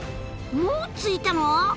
もう着いたの？